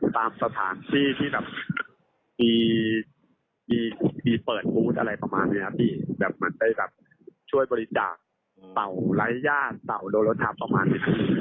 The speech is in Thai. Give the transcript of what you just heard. ตามสถานที่เปิดบูธรับบริจาคเกี่ยวนะครับ